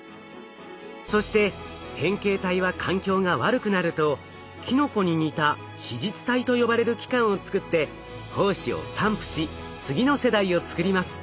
そして変形体は環境が悪くなるとキノコに似た子実体と呼ばれる器官をつくって胞子を散布し次の世代をつくります。